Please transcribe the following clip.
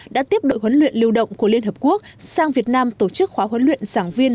đã tiếp đội huấn luyện lưu động của liên hợp quốc sang việt nam tổ chức khóa huấn luyện giảng viên